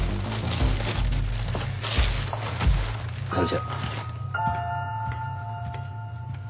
それじゃあ。